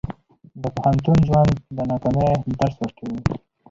د پوهنتون ژوند د ناکامۍ درس ورکوي.